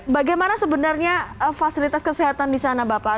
bagaimana sebenarnya fasilitas kesehatan di sana bapak